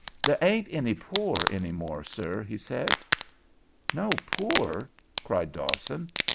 "There ain't any poor any more, sir," he said. "No poor?" cried Dawson.